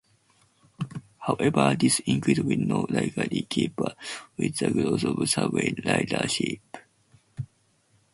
However, this increase will not likely keep up with the growth of subway ridership.